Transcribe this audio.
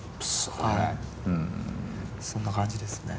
はいそんな感じですね。